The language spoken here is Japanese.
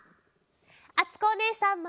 あつこおねえさんも！